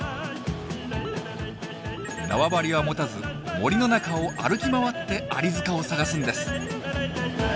縄張りは持たず森の中を歩き回ってアリ塚を探すんです。